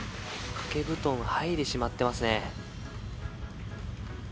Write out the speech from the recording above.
掛け布団をはいでしまっていますね。